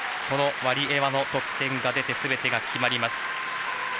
このワリエワの得点が出て全てが決まります。